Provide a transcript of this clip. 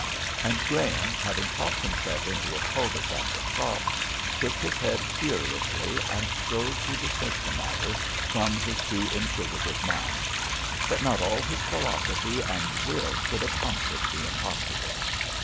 And Graham, having talked himself into a cul de sac of thought, shook his head furiously and strove to dismiss the matter from his too inquisitive mind. But not all his philosophy and will could accomplish the impossible.